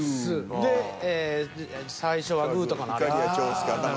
で「最初はグー」とかのあれかな。